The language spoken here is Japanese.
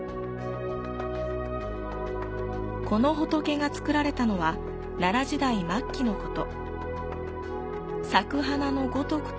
この仏が作られたのは奈良時代末期のこと。